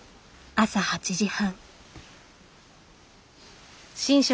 朝８時半。